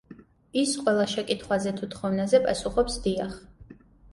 ის ყველა შეკითხვაზე თუ თხოვნაზე პასუხობს „დიახ“.